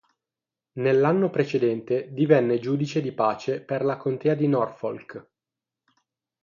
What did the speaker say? Nell'anno precedente divenne giudice di pace per la contea di Norfolk.